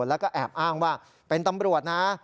แล้วก็แอบอ้างว่าเป็นตำรวจนะ